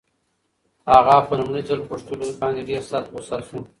اغا په لومړي ځل پوښتلو باندې ډېر سخت غوسه شو.